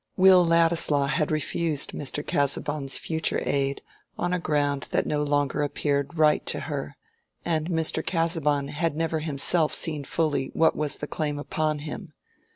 Will Ladislaw had refused Mr. Casaubon's future aid on a ground that no longer appeared right to her; and Mr. Casaubon had never himself seen fully what was the claim upon him.